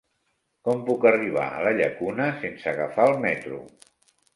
Com puc arribar a la Llacuna sense agafar el metro?